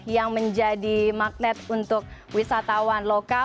yang menjadi magnet untuk wisatawan lokal